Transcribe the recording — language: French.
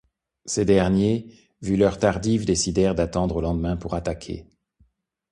Ces derniers, vu l'heure tardive décidèrent d'attendre au lendemain pour attaquer.